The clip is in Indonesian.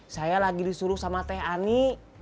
saya lagi disuruh sama teh ani